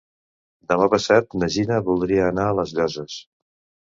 Demà passat na Gina voldria anar a les Llosses.